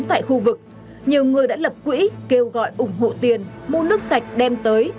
tại khu vực nhiều người đã lập quỹ kêu gọi ủng hộ tiền mua nước sạch đem tới